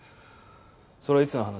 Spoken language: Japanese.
それはいつの話？